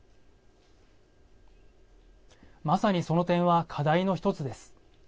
まさにその点は課題の１つです。